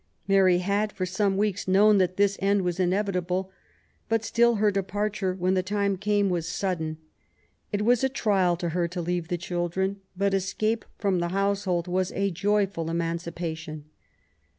Mary had for some weeks known that this end was inevitable, but still her de parture, when the time came, was sudden. It was a 64 MABY W0LL8T0NECBAFT GODWIN. trial to her to leave the children, bat escape from the household was a joyful emancipation.